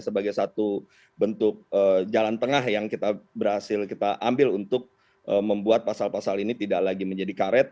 sebagai satu bentuk jalan tengah yang kita berhasil kita ambil untuk membuat pasal pasal ini tidak lagi menjadi karet